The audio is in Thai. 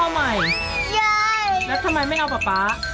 ยายแล้วทำไมไม่เอาป๊าป๊า